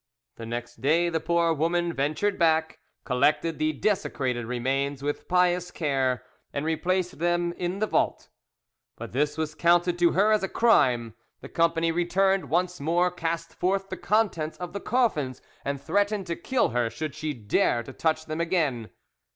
The next day the poor woman ventured back, collected the desecrated remains with pious care, and replaced them in the vault. But this was counted to her as a crime; the company returned, once more cast forth the contents of the coffins, and threatened to kill her should she dare to touch them again.